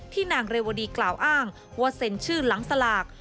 นางเรวดีกล่าวอ้างว่าเซ็นชื่อหลังสลาก